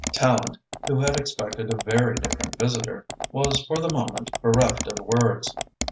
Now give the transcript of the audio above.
Tallente, who had expected a very different visitor, was for the moment bereft of words.